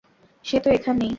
সে তো এখানেই।